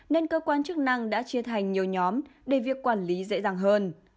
nên cơ quan chức năng đã chia thành nhiều nhóm để việc quản lý dễ dàng hơn